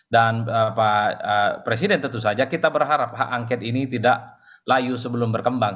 dan presiden tentu saja kita berharap hak angket ini tidak layu sebelum berkembang